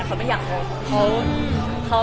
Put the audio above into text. เขาไม่อยากครบ